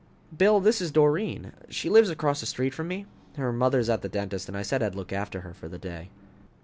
"Bill, this is Doreen. She lives across the street from me. Her mother's at the dentist and I said I'd look after her for the day."